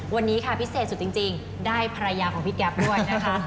วันนี้ค่ะพิเศษสุดจริงได้ภรรยาของพี่แก๊ปด้วยนะคะ